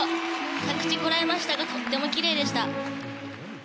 着地こらえましたがとってもきれいでした。